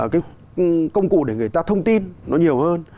cái công cụ để người ta thông tin nó nhiều hơn